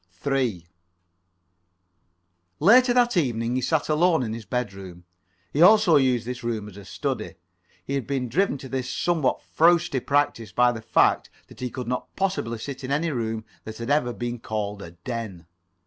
3 Later that evening he sat alone in his bedroom. He also used this room as a study. He had been driven to this somewhat frowsty practice by the fact that he could not possibly sit in any room that had ever been called a den.